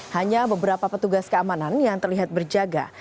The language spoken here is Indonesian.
hanya beberapa petugas keamanan yang terlihat berjaga